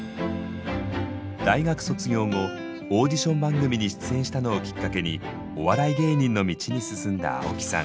大学卒業後オーディション番組に出演したのをきっかけにお笑い芸人の道に進んだ青木さん。